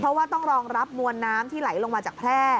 เพราะว่าต้องรองรับมวลน้ำที่ไหลลงมาจากแพร่